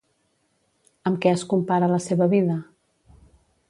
Amb què es compara la seva vida?